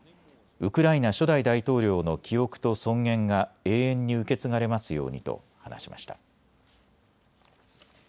ウクライナ初代大統領の記憶と尊厳が永遠に受け継がれますようにと話しました。